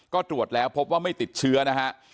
ก็ตรวจแล้วพบว่าไม่ติดเชื้อนะฮะ